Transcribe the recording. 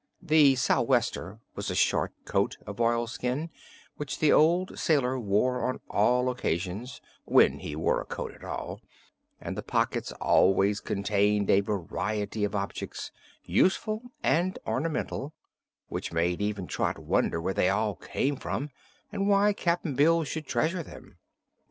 This sou'wester was a short coat of oilskin which the old sailor wore on all occasions when he wore a coat at all and the pockets always contained a variety of objects, useful and ornamental, which made even Trot wonder where they all came from and why Cap'n Bill should treasure them.